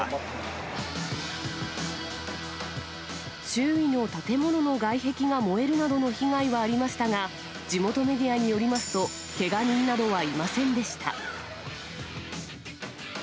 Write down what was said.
周囲の建物の外壁が燃えるなどの被害はありましたが、地元メディアによりますと、けが人などはいませんでした。